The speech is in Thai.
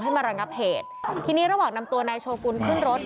มาระงับเหตุทีนี้ระหว่างนำตัวนายโชกุลขึ้นรถ